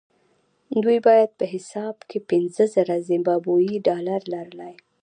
دوی باید په حساب کې پنځه زره زیمبابويي ډالر لرلای.